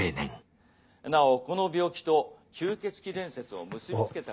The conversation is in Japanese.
なおこの病気と吸血鬼伝説を結び付けたうわさが。